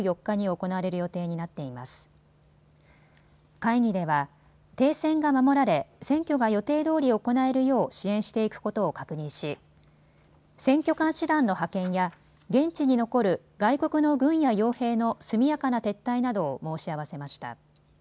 会議では停戦が守られ選挙が予定どおり行えるよう支援していくことを確認し選挙監視団の派遣や現地に残る外国の軍やよう兵の速やかな撤退などを申し合わせました。